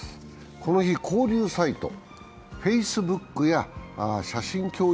この日、交流サイトＦａｃｅｂｏｏｋや写真共有